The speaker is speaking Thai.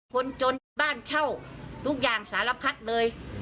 คนจนที่บ้านเช่าทุกอย่างสารพัดเลย